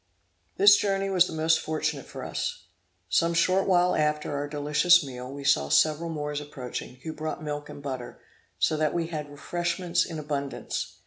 This journey was the most fortunate for us. Some short while after our delicious meal, we saw several Moors approaching, who brought milk and butter, so that we had refreshments in abundance.